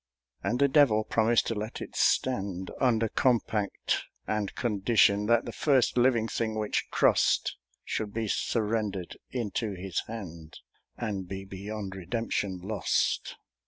And the Devil promised to let it stand, Under compact and conditionThat the first living thing which crossedShould be surrendered into his hand, And be beyond redemption lost.